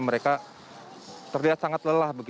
mereka terlihat sangat lelah